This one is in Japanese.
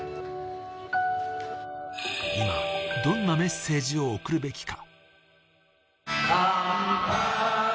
今、どんなメッセージを送るべきか